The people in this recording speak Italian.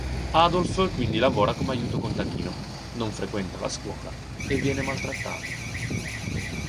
Adolf quindi lavora come aiuto contadino, non frequenta la scuola e viene maltrattato.